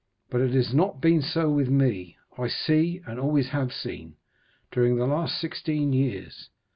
But it has not been so with me,—I see, and always have seen, during the last sixteen years.